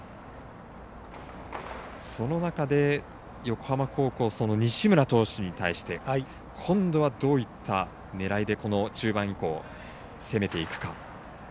その中で、横浜高校西村投手に対して今度はどういった狙いでこの中盤以降攻めていくか。